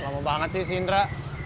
lama banget sih sintra